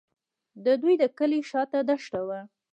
د دوی د کلي شاته دښته وه.